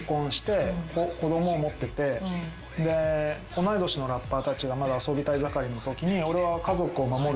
同い年のラッパーたちがまだ遊びたい盛りのときに俺は。